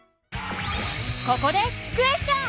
ここでクエスチョン！